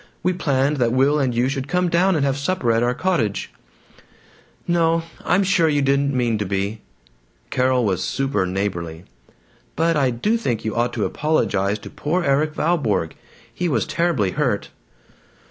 We planned that Will and you should come down and have supper at our cottage." "No. I'm sure you didn't mean to be." Carol was super neighborly. "But I do think you ought to apologize to poor Erik Valborg. He was terribly hurt."